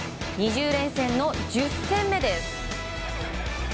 ２０連戦の１０戦目です。